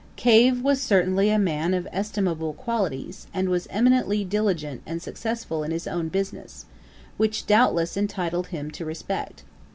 Cave was certainly a man of estimable qualities, and was eminently diligent and successful in his own business, which, doubtless, entitled him to respect.